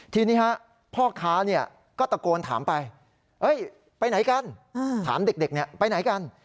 ทีนี้พ่อค้าก็ตะโกนถามไปไปไหนกันถามเด็กไปไหนกัน